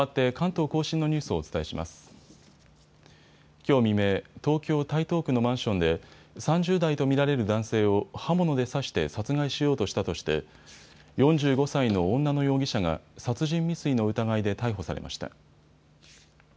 きょう未明、東京台東区のマンションで３０代と見られる男性を刃物で刺して殺害しようとしたとして４５歳の女の容疑者が殺人未遂の疑いで逮捕されました。